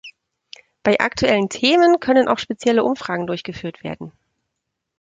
Bei aktuellen Themen können auch spezielle Umfragen durchgeführt werden.